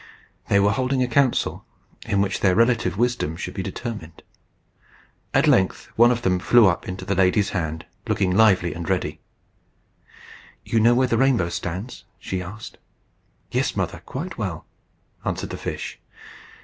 They were holding a council, in which their relative wisdom should be determined. At length one of them flew up into the lady's hand, looking lively and ready. "You know where the rainbow stands?" she asked. "Yes, Mother, quite well," answered the fish.